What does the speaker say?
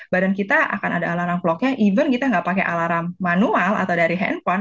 badan kita akan ada alarm vlognya even kita nggak pakai alarm manual atau dari handphone